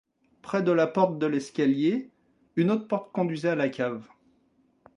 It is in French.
Près de la porte de l’escalier, une autre porte conduisait à la cave.